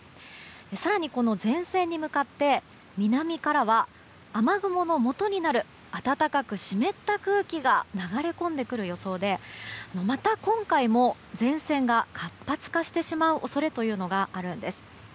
更にこの前線に向かって南からは雨雲のもとになる暖かく湿った空気が流れ込んでくる予想でまた今回も前線が活発化してしまう恐れがあるんです。